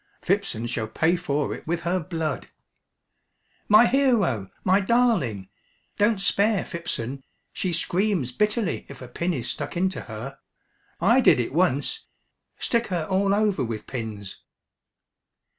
"Phipson shall pay for it with her blood." "My hero my darling! Don't spare Phipson. She screams bitterly if a pin is stuck into her. I did it once. Stick her all over with pins."